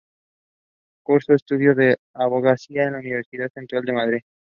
Cursó estudios de abogacía en la Universidad Central de Madrid.